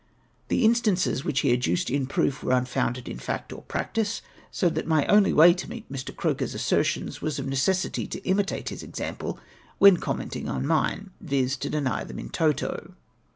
'" The instances which he adduced in proof were unfounded in fact or practice, so tliat my only way to meet ]\ii\ Croker 's assertions was of neces sity to imitate his example when connnenting on mine, viz. to deny them in toto.